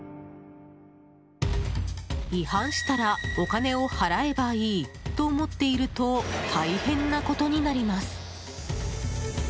違反したらお金を払えばいいと思っていると大変なことになります。